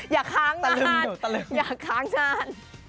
อย่าค้างนานอย่าค้างงาน